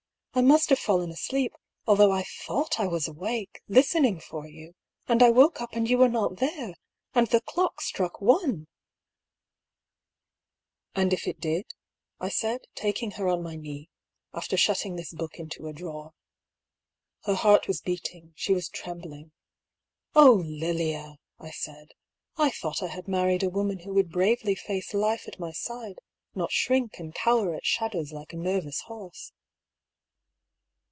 " I must have fallen asleep, although I thought I was awake, lis tening for you ; and I woke up and you were not there 1 And the clock struck one !" "And if it did?" I said, taking her on my knee, after shutting this book into a drawer. Her heart was beating, she was trembling. " Oh, Lilia !" I said. " I thought I had married a woman who would bravely face DIARY OF HUGH PAULL. I45 life at my side, not shrink and cower at shadows like a nervous horse."